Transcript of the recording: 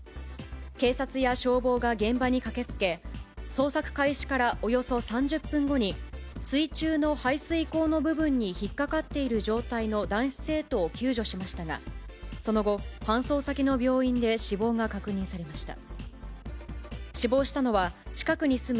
警察や消防が現場に駆けつけ、捜索開始からおよそ３０分後に、水中の排水口の部分に引っ掛かっている状態の男子生徒を救助しましたが、その後、搬送先の病院で死亡が確認されました。